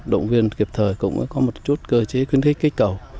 động viên kịp thời cũng có một chút cơ chế khuyến khích kích cầu